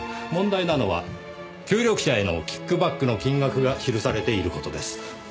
問題なのは協力者へのキックバックの金額が記されている事です。